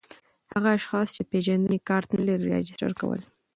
هغه اشخاص چي د پېژندني کارت نلري راجستر کول